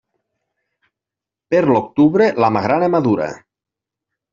Per l'octubre, la magrana madura.